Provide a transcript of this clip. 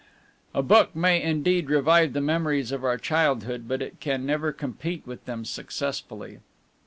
A book may, indeed, revive the memories of our childhood, but it can never compete with them successfully.